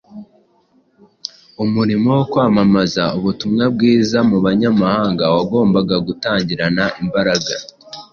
Umurimo wo kwamamaza ubutumwa bwiza mu banyamahanga wagombaga gutangirana imbaraga,